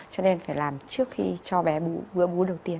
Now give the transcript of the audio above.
cho nên phải làm trước khi cho bé bú lần đầu tiên